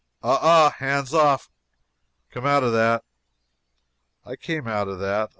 "Ah, ah hands off! Come out of that!" I came out of that.